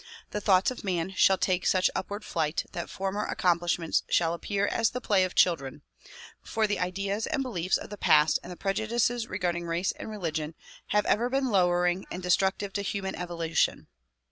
The thoughts of man shall take such upward flight that former accom plishments shall appear as the play of children ;— for the ideas and beliefs of the past and the prejudices regarding race and religion have ever been lowering and destructive to human evolution.